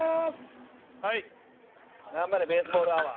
頑張れベースボールアワー。